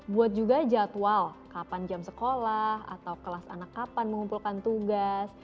buat juga jadwal kapan jam sekolah atau kelas anak kapan mengumpulkan tugas